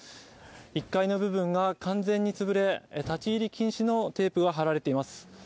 １階の部分が完全につぶれ、立ち入り禁止のテープが張られています。